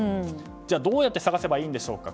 じゃあどうやって探せばいいんでしょうか。